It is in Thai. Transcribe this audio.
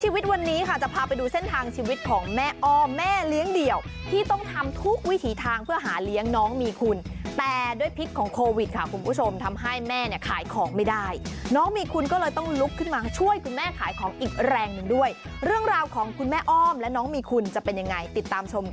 ชีวิตวันนี้ค่ะจะพาไปดูเส้นทางชีวิตของแม่อ้อมแม่เลี้ยงเดี่ยวที่ต้องทำทุกวิถีทางเพื่อหาเลี้ยงน้องมีคุณแต่ด้วยพิษของโควิดค่ะคุณผู้ชมทำให้แม่เนี่ยขายของไม่ได้น้องมีคุณก็เลยต้องลุกขึ้นมาช่วยคุณแม่ขายของอีกแรงหนึ่งด้วยเรื่องราวของคุณแม่อ้อมและน้องมีคุณจะเป็นยังไงติดตามชม